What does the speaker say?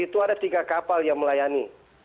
di situ ada tiga kapal yang melayani